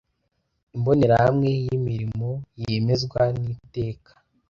imbonerahamwe y imirimo yemezwa n Iteka